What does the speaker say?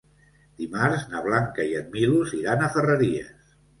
Dimarts na Blanca i en Milos iran a Ferreries.